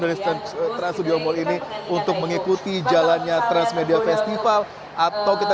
karena saya ingin menjelaskan bagaimana trans media festival ini bisa berjalan dengan baik